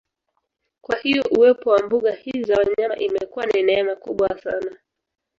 Kwa hiyo uwepo wa mbuga hizi za wanyama imekuwa ni neema kubwa sana